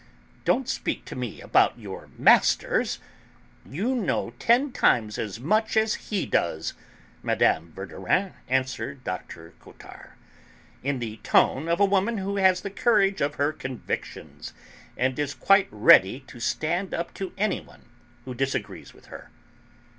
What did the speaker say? "Don't speak to me about 'your masters'; you know ten times as much as he does!" Mme. Verdurin answered Dr. Cottard, in the tone of a woman who has the courage of her convictions, and is quite ready to stand up to anyone who disagrees with her.